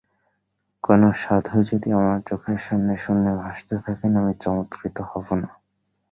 কোনো সাধু যদি আমার চোখের সামনে শূন্যে ভাসতে থাকেন, আমি চমৎকৃত হব না।